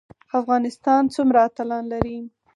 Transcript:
افغانستان څومره اتلان لري؟